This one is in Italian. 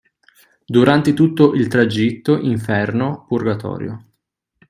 Durante tutto il tragitto inferno-purgatorio